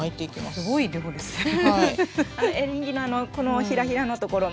すごい量ですね。